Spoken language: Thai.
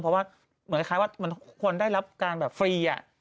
เพราะว่าเหมือนคล้ายว่ามันควรได้รับการแบบฟรี